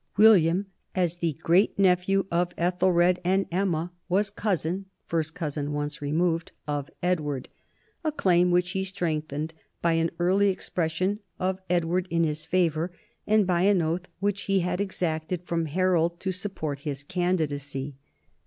Wil liam, as the great nephew of Ethelred and Emma, was 74 NORMANS IN EUROPEAN HISTORY cousin (first cousin once removed) of Edward, a claim which he strengthened by an early expression of Edward in his favor and by an oath which he had exacted from Harold to support his candidacy.